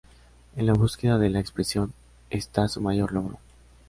En la búsqueda de la expresión está su mayor logro.